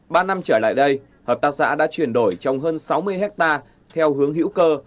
ba năm trở lại đây hợp tác xã đã chuyển đổi trong hơn sáu mươi hectare theo hướng hữu cơ